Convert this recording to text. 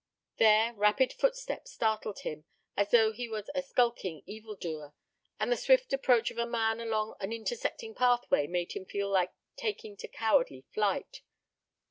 There rapid footsteps startled him, as though he was a skulking evildoer, and the swift approach of a man along an intersecting pathway, made him feel like taking to cowardly flight.